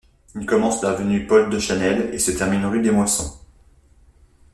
Il commence avenue Paul Deschanel et se termine rue des Moissons.